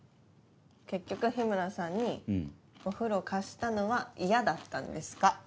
結局日村さんにお風呂貸したのは嫌だったんですか？